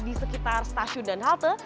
di sekitar stasiun dan halte